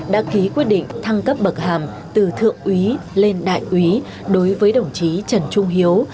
đã ký quyết định thăng cấp bậc hàm từ thượng úy lên đại úy đối với đồng chí trần trung hiếu